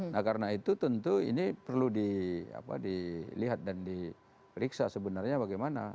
nah karena itu tentu ini perlu dilihat dan diperiksa sebenarnya bagaimana